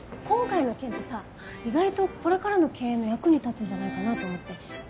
今回の件ってさ意外とこれからの経営の役に立つんじゃないかなと思って。